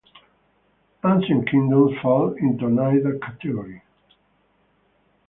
Ancient kingdoms fall into neither category.